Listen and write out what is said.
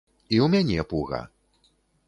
І ў мяне пуга.